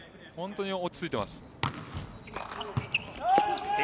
本当に落ち着いています。